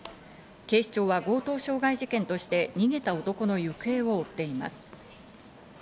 警視庁は強盗傷害事件として、逃げた男の行方を追っています。